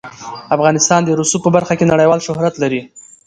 افغانستان د رسوب په برخه کې نړیوال شهرت لري.